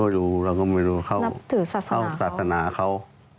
รู้เราก็ไม่รู้เข้าสาสนาเขา